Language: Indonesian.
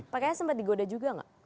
pak ks sempat digoda juga nggak